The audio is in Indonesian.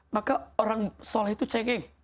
maka orang sholat itu cengeng